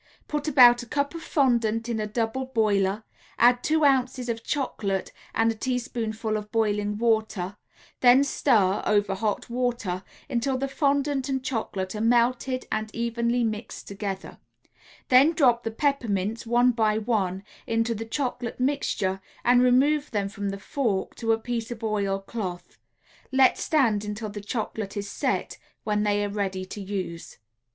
Put about a cup of fondant in a double boiler, add two ounces of chocolate and a teaspoonful of boiling water, then stir (over hot water) until the fondant and chocolate are melted and evenly mixed together; then drop the peppermints, one by one, into the chocolate mixture, and remove them with the fork to a piece of oil cloth; let stand until the chocolate is set, when they are ready to use.